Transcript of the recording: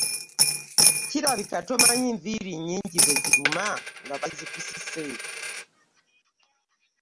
Kirabika tomanyi nviiri nnnnnyingi bwe ziruma nga bazikusise.